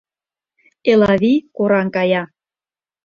Элавий кораҥ кая.